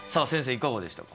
いかがでしたか？